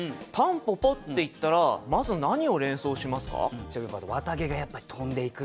蒲公英っていったらまず何を連想しますか？って